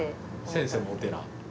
先生もお寺。